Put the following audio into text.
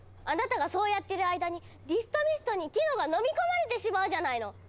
あなたがそうやってる間にディストミストにティノがのみ込まれてしまうじゃないの！